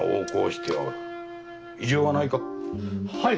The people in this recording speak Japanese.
はい。